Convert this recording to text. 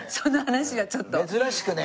珍しくね。